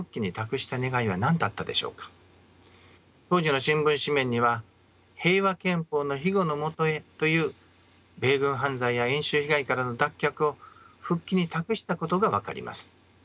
当時の新聞紙面には平和憲法の庇護の下へという米軍犯罪や演習被害からの脱却を復帰に託したことが分かります。